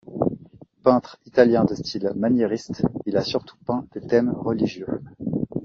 Peintre italien de style maniériste, il a surtout peint des thèmes religieux.